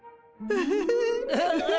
ウフフフフ。